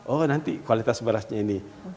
oh nanti kualitas berasnya ini